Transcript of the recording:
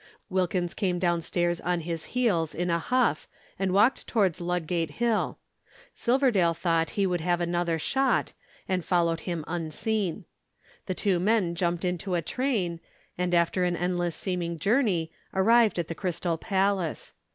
Wilkins came downstairs on his heels, in a huff, and walked towards Ludgate Hill. Silverdale thought he would have another shot, and followed him unseen. The two men jumped into a train, and after an endless seeming journey arrived at the Crystal Palace.